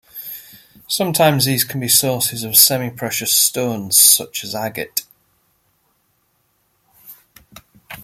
Sometimes these can be sources of semi-precious stones such as agate.